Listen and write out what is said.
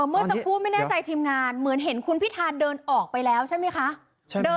เมื่อสักครู่ไม่แน่ใจทีมงานเหมือนเห็นคุณพิธาเดินออกไปแล้วใช่ไหมคะ